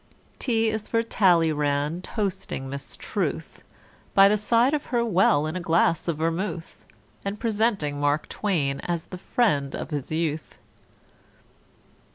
=T= is for =T=alleyrand toasting Miss =T=ruth, By the side of her well, in a glass of vermouth, And presenting Mark =T=wain as the friend of his youth.